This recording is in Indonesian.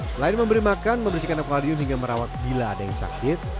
selain memberi makan membersihkan akwadium hingga merawat bila ada yang sakit